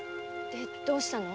でどうしたの？